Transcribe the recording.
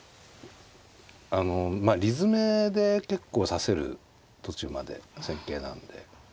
まあ理詰めで結構指せる途中まで戦型なんで。